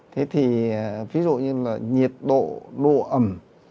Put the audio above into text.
thế thì ví dụ như nhiệt độ độ ẩm